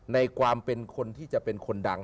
ในความเป็นคนที่จะเป็นคนดัง